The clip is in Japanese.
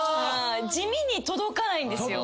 地味に届かないんですよ。